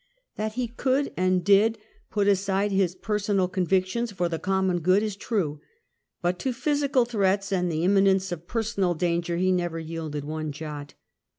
That he could and did put aside his personal convictions for the common good is true, but to physical threats and the imminence of personal danger he never yielded one jot.